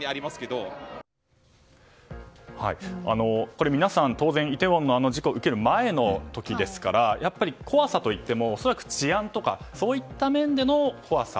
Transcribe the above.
これ、皆さん、当然イテウォンの事故を受ける前ですからやっぱり怖さといっても恐らく治安とかそういった面での怖さ。